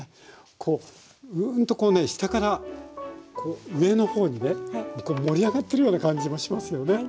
うんとこうね下から上の方にね盛り上がってるような感じもしますよね。